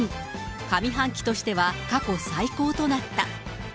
上半期としては過去最高となった。